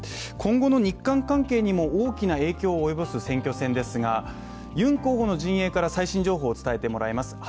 今後の日韓関係にも大きな影響を及ぼす選挙戦ですがユン候補の陣営から最新情報を伝えてもらいます。